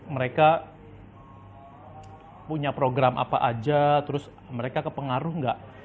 mereka punya program apa aja terus mereka kepengaruh nggak